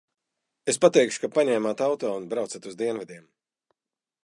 Es pateikšu, ka paņēmāt auto un braucat uz dienvidiem.